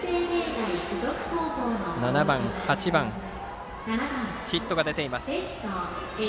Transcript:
７番、８番とヒットが出ています。